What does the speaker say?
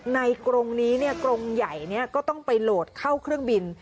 กรงนี้กรงใหญ่ก็ต้องไปโหลดเข้าเครื่องบิน